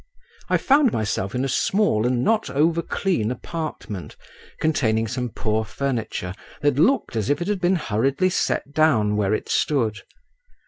I found myself in a small and not over clean apartment, containing some poor furniture that looked as if it had been hurriedly set down where it stood.